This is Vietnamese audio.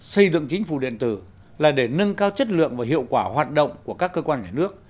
xây dựng chính phủ điện tử là để nâng cao chất lượng và hiệu quả hoạt động của các cơ quan nhà nước